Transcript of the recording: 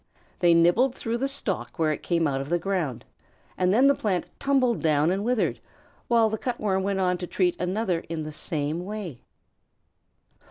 They nibbled through the stalk where it came out of the ground, and then the plant tumbled down and withered, while the Cut Worm went on to treat another in the same way.